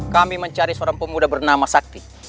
kami mencari seorang pemuda bernama sakti